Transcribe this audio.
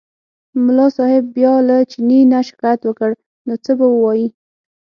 ملا صاحب بیا له چیني نه شکایت وکړ نو څه به ووایي.